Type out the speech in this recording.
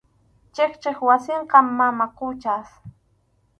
Chikchip wasinqa mama Quchas.